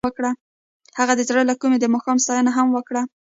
هغې د زړه له کومې د ماښام ستاینه هم وکړه.